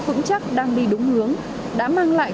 vững chắc đang đi đúng hướng đã mang lại